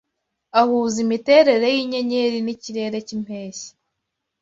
Ahuza imiterere yinyenyeri N'ikirere cy'impeshyi!